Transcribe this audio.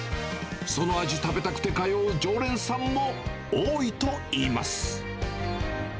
その味食べたくて通う常連さんも多いといいます。